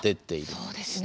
そうですね。